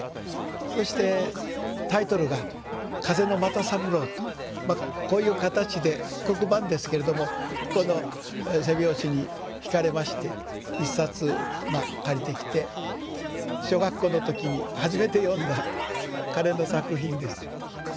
そしてタイトルが「風の又三郎」とこういう形で復刻版ですけれどもこの背表紙にひかれまして１冊まあ借りてきて小学校の時に初めて読んだ彼の作品です。